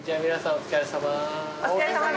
お疲れさまです。